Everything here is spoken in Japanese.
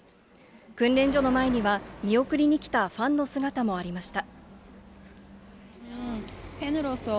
訓練所の前には、見送りに来たファンの姿もありました。